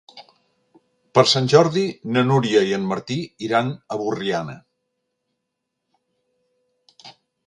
Per Sant Jordi na Núria i en Martí iran a Borriana.